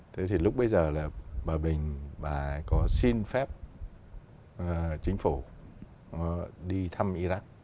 thế thì lúc bây giờ là hòa bình bà có xin phép chính phủ đi thăm iraq